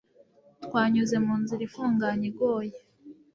Twanyuze mu nzira ifunganye igoye